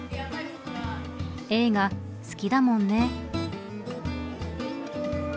映画好きだもんね。